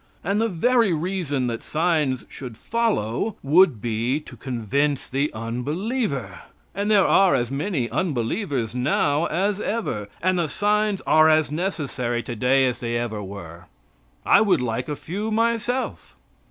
And the very reason that signs should follow would be to convince the unbeliever, and there are as many unbelievers now as ever, and the signs are as necessary today as they ever were. I would like a few myself.